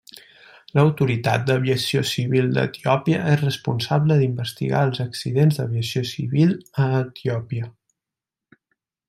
L'Autoritat d'Aviació Civil d'Etiòpia és responsable d'investigar els accidents d'aviació civil a Etiòpia.